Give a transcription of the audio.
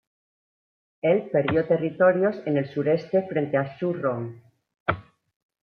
Él perdió territorios en el sureste frente a Xu Rong.